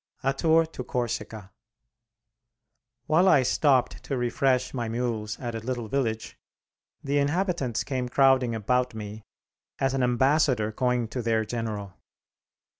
A TOUR TO CORSICA While I stopped to refresh my mules at a little village, the inhabitants came crowding about me as an ambassador going to their General.